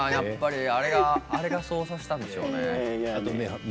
あれがそうさせたんでしょうね。